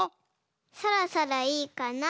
そろそろいいかな。